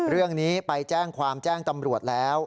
เรื่องนี้ไปแจ้งความแจ้งตำรวจแล้ว